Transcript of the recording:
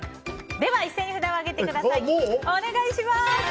一斉に札を上げてください！